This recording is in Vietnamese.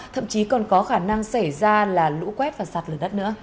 thậm chí còn có khả năng xảy ra là lũ quét và sạt lửa đất nữa